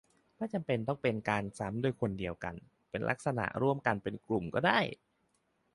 ไม่จำเป็นต้องเป็นการซ้ำโดยคนเดียวกัน-เป็นลักษณะร่วมกันเป็นกลุ่มก็ได้